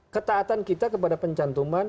ketaatan kita kepada pencantuman